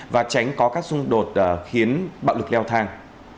và tránh có các xung đột khiến bạo lực leo thang